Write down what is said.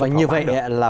và như vậy là